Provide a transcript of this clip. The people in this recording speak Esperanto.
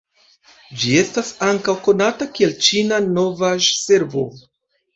Ĝi estas ankaŭ konata kiel Ĉina Novaĵ-Servo.